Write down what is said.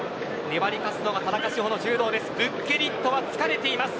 粘り勝つのが田中志歩の柔道です。